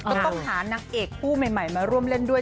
ก็ต้องหานางเอกคู่ใหม่มาร่วมเล่นด้วย